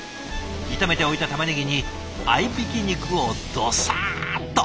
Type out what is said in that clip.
炒めておいたたまねぎに合いびき肉をドサッと。